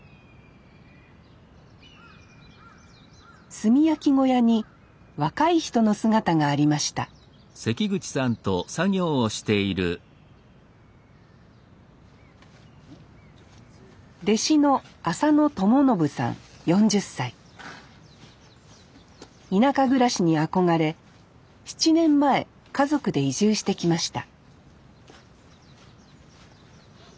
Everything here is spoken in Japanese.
炭焼き小屋に若い人の姿がありました弟子の田舎暮らしに憧れ７年前家族で移住してきました